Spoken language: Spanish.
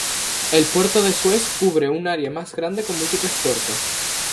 El Puerto de Suez cubre un área más grande con múltiples puertos.